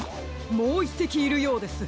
もう１せきいるようです。